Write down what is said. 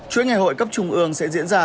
chuyến ngày hội cấp trung ương sẽ diễn ra